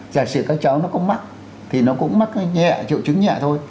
giả sử các cháu nó không mắc thì nó cũng mắc nhẹ triệu chứng nhẹ thôi